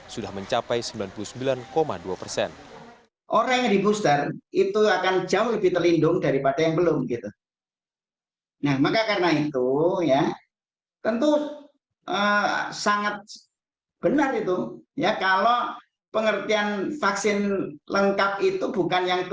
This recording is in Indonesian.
sudah mencapai sembilan puluh sembilan dua persen